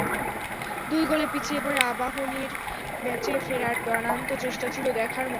দুই গোলে পিছিয়ে পড়ে আবাহনীর ম্যাচে ফেরার প্রাণান্ত চেষ্টা ছিল দেখার মতো।